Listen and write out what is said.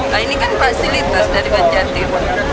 nah ini kan fasilitas dari bank jantim